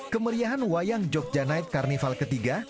kemeriahan wayang jogja night carnival ketiga